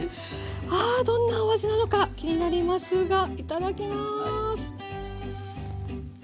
ああどんなお味なのか気になりますがいただきます！